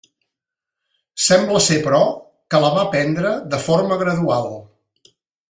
Sembla ser, però, que la va prendre de forma gradual.